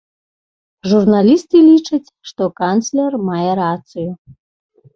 Журналісты лічаць, што канцлер мае рацыю.